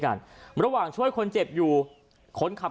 ก็แค่มีเรื่องเดียวให้มันพอแค่นี้เถอะ